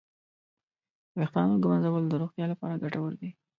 د ویښتانو ږمنځول د روغتیا لپاره ګټور دي.